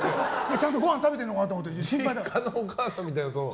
ちゃんとごはん食べてるのかなって実家のお母さんみたいな。